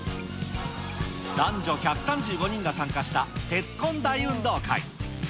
男女１３５人が参加した鉄コン大運動会。